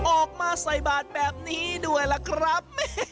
ออกมาใส่บาทแบบนี้ด้วยล่ะครับ